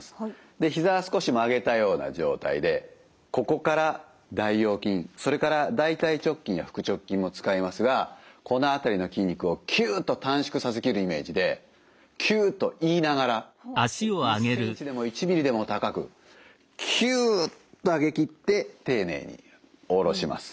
でひざは少し曲げたような状態でここから大腰筋それから大腿直筋や腹直筋も使いますがこの辺りの筋肉を「きゅ」と短縮させきるイメージで「きゅ」と言いながら１センチでも１ミリでも高くきゅっと上げきって丁寧に下ろします。